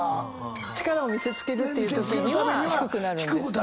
力を見せつけるってときには低くなるんです。